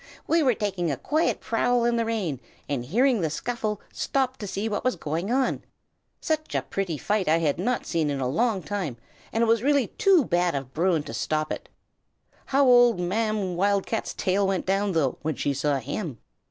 "We were taking a quiet prowl in the rain, and hearing the scuffle, stopped to see what was going on. Such a pretty fight I had not seen in a long time, and it was really too bad of Bruin to stop it. How old Ma'am Wildcat's tail went down, though, when she saw him!"